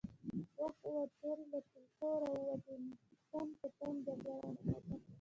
وخت ووت، تورې له تېکو را ووتې، تن په تن جګړه ونښته!